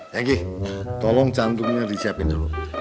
yagi tolong cantiknya disiapin dulu